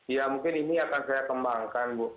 ya mungkin ini akan saya kembangkan bu